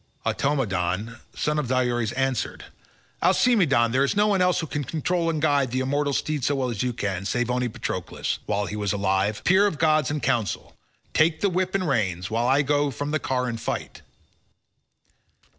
Automedon son of Diores answered, "Alcimedon, there is no one else who can control and guide the immortal steeds so well as you can, save only Patroclus—while he was alive—peer of gods in counsel. Take then the whip and reins, while I go down from the car and fight."